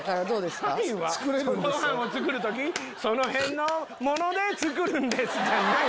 「あゆはご飯を作る時その辺のもので作るんです」じゃない。